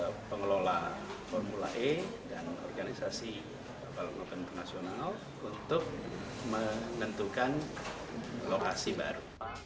untuk menentukan lokasi baru